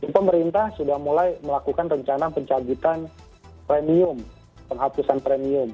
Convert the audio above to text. pemerintah sudah mulai melakukan rencana pencagitan premium penghapusan premium